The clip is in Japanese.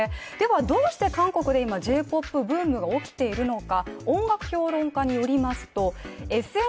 どうして韓国で今、Ｊ‐ＰＯＰブームが起きているのか。